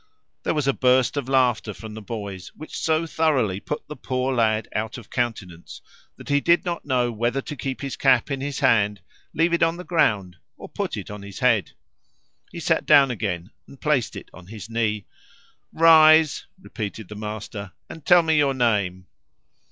There was a burst of laughter from the boys, which so thoroughly put the poor lad out of countenance that he did not know whether to keep his cap in his hand, leave it on the ground, or put it on his head. He sat down again and placed it on his knee. "Rise," repeated the master, "and tell me your name."